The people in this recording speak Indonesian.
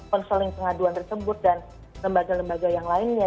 konseling pengaduan tersebut dan lembaga lembaga yang lainnya